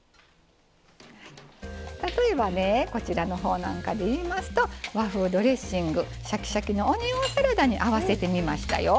例えばねこちらのほうなんかで言いますと和風ドレッシングシャキシャキのオニオンサラダに合わせてみましたよ。